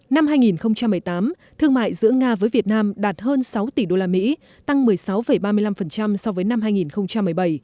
năm hai nghìn một mươi tám thương mại giữa nga với việt nam đạt hơn sáu tỷ usd tăng một mươi sáu ba mươi năm so với năm hai nghìn một mươi bảy